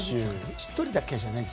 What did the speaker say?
１人だけじゃないです。